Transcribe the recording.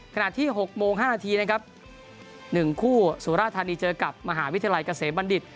ขณะที่๖โมง๕นาทีนะครับ๑คู่สุราธานีเจอกับมหาวิทยาลัยเกษมบัณฑิต